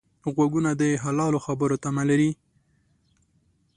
غوږونه د حلالو خبرو تمه لري